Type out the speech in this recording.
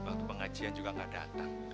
waktu pengajian juga nggak datang